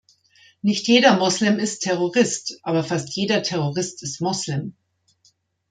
Nicht jeder Moslem ist Terrorist, aber fast jeder Terrorist ist Moslem.